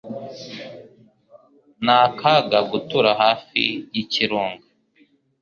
Ni akaga gutura hafi yikirunga.